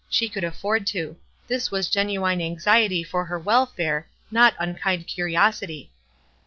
She could afford to. This was genuine anxiety for her welfare, not unkind curiosity.